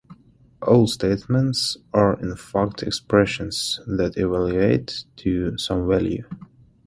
All statements are in fact expressions that evaluate to some value.